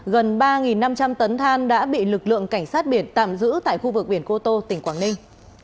gần ba năm trăm linh tấn than đã bị lực lượng cảnh sát biển tạm giữ tại khu vực biển cô tô tỉnh quảng ninh